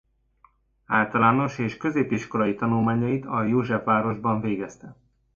Általános és középiskolai tanulmányait a Józsefvárosban végezte.